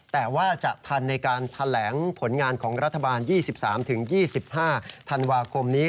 แต่ว่าจะทันในการแถลงผลงานของรัฐบาล๒๓๒๕ธันวาคมนี้